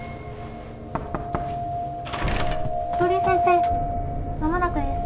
鳥居先生間もなくです。